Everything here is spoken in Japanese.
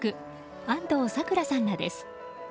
安藤サクラさんらです。